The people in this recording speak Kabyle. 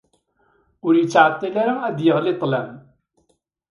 Ur yettɛeṭṭil ara ad d-yeɣli ṭṭlam.